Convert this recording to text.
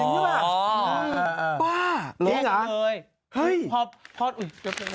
จริงหรือเปล่าอ๋อปั๊ะรู้หรือ